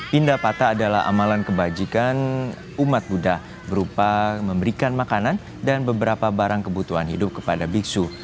pindah patah adalah amalan kebajikan umat buddha berupa memberikan makanan dan beberapa barang kebutuhan hidup kepada biksu